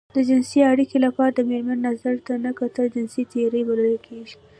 د جنسي اړيکې لپاره د مېرمنې نظر ته نه کتل جنسي تېری بلل کېږي.